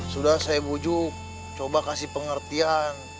sudah saya bujuk coba kasih pengertian